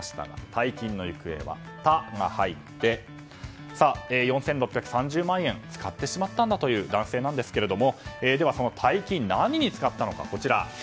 大金の行方はの「タ」が入って４６３０万円使ってしまったんだという男性なんですがではその大金、何に使ったのか。